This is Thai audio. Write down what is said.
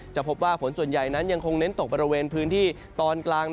พบว่าฝนส่วนใหญ่นั้นยังคงเน้นตกบริเวณพื้นที่ตอนกลาง